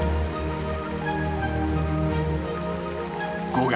５月。